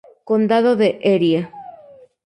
Condado de Erie